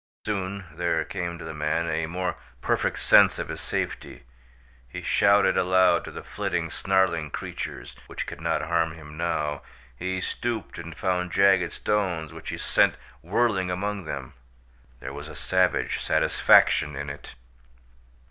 Soon there came to the man a more perfect sense of his safety. He shouted aloud to the flitting, snarling creatures, which could not harm him now; he stooped and found jagged stones, which he sent whirling among them. There was a savage satisfaction in it.